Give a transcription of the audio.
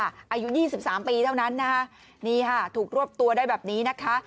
อายุ๒๓ปีเท่านั้นถูกรวบตัวได้แบบนี้นะคะ